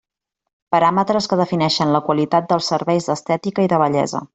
Paràmetres que defineixen la qualitat dels serveis d'estètica i de bellesa.